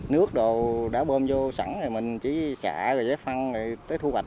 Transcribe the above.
nước đồ đã bơm vô sẵn rồi mình chỉ xã rồi phân rồi tới thu hoạch